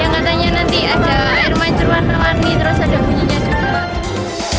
yang katanya nanti ada air mancur warna warni terus ada bunyinya juga